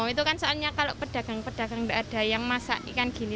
itu kan soalnya kalau pedagang pedagang tidak ada yang masak ikan gini